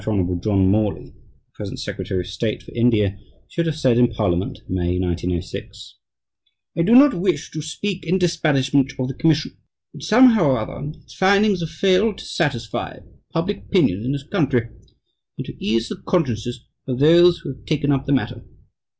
Hon. John Morley, the present Secretary of State for India, should have said in Parliament (May, 1906) "I do not wish to speak in disparagement of the Commission, but somehow or other its findings have failed to satisfy public opinion in this country and to ease the consciences of those who have taken up the matter."